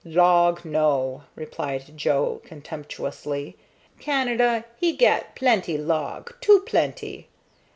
"Log, no," replied Joe, contemptuously. "Canada, he gat plenty log too plenty.